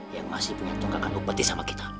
yang masih punya tunggakan upati sama kita